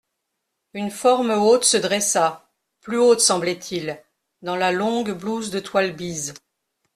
Une forme haute se dressa, plus haute semblait-il, dans la longue blouse de toile bise.